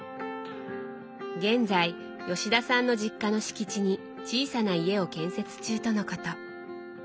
現在吉田さんの実家の敷地に小さな家を建設中とのこと。